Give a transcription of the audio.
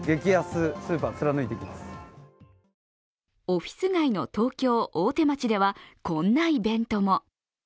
オフィス街の東京・大手町ではこんなイベントも。